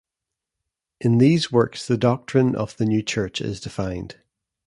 In these works the doctrine of The New Church is defined.